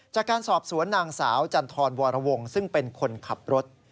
จากการสอบสวนนางสาวจันทรวรวงซึ่งเป็นคนขับรถ